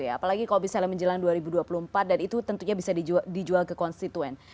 apalagi kalau misalnya menjelang dua ribu dua puluh empat dan itu tentunya bisa dijual ke konstituen